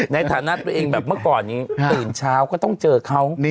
ในฐานะตัวเองแบบเมื่อก่อนนี้ตื่นเช้าก็ต้องเจอเขา